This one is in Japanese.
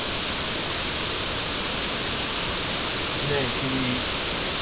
ねえ君。